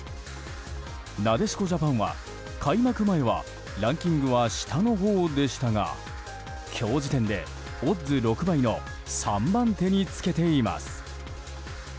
なでしこジャパンは開幕前はランキングは下のほうでしたが今日時点でオッズ６倍の３番手につけています。